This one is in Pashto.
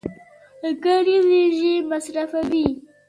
د کار انرژي مصرفوي.